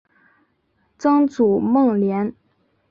曾祖孟廉。